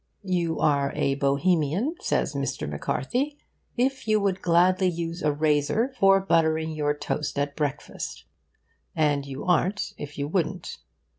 You are a Bohemian, says Mr. MacCarthy, if you would gladly use a razor for buttering your toast at breakfast, and you aren't if you wouldn't.